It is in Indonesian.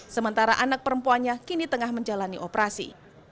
sementara anak perempuannya kini tengah menjalani operasi